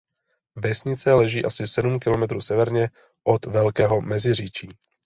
Vesnice leží asi sedm kilometrů severně od Velkého Meziříčí.